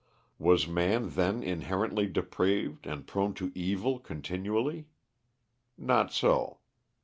Was man then inherently depraved and prone to evil continually? Not so.